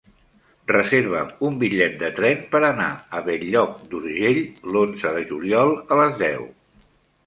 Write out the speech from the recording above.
Reserva'm un bitllet de tren per anar a Bell-lloc d'Urgell l'onze de juliol a les deu.